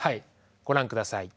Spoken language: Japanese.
ご覧ください。